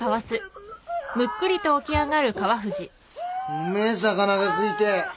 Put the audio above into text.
うめえ魚が食いてえ。